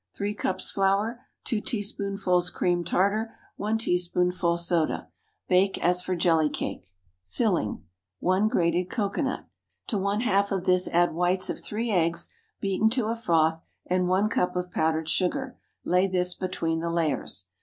3 cups flour. 2 teaspoonfuls cream tartar. 1 teaspoonful soda. Bake as for jelly cake. Filling. 1 grated cocoanut. To one half of this add whites of three eggs, beaten to a froth, and one cup of powdered sugar. Lay this between the layers.